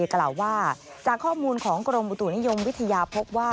กล่าวว่าจากข้อมูลของกรมอุตุนิยมวิทยาพบว่า